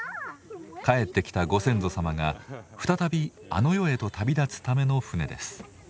帰ってきたご先祖さまが再びあの世へと旅立つための船です。